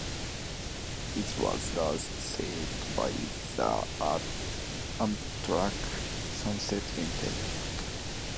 It was last served by the Amtrak "Sunset Limited".